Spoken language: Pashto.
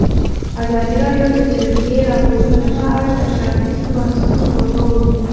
ازادي راډیو د د جګړې راپورونه په اړه د پرانیستو بحثونو کوربه وه.